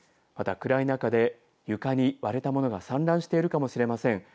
また、暗い中で床に割れた物が散乱しているかもしれません。